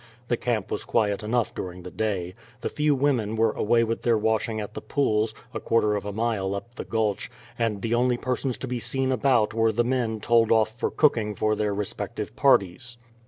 The camp was quiet enough during the day. The few women were away with their washing at the pools, a quarter of a mile up the Gulch, and the only persons to be seen about were the men told off for cooking for their respective parties.